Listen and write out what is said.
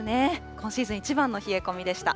今シーズンいちばんの冷え込みでした。